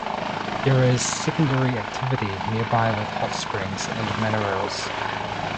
There is secondary activity nearby with hot springs and minerals.